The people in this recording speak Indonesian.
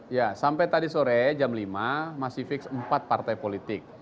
ya sampai tadi sore jam lima masih fix empat partai politik